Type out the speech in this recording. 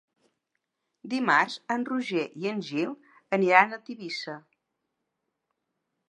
Dimarts en Roger i en Gil aniran a Tivissa.